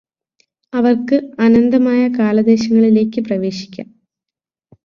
അവര്ക്ക് അനന്തമായ കാലദേശങ്ങളിലേയ്ക് പ്രവേശിക്കാം